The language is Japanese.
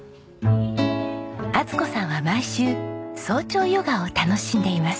充子さんは毎週早朝ヨガを楽しんでいます。